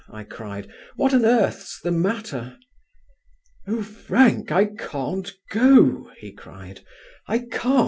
I cried. "What on earth's the matter?" "Oh, Frank, I can't go," he cried, "I can't.